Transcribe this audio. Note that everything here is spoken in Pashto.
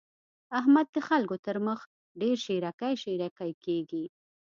احمد د خلګو تر مخ ډېر شېرکی شېرکی کېږي.